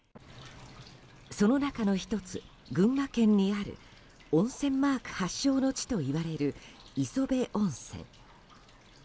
その中の１つ、群馬県にある温泉マーク発祥の地といわれる磯部温泉。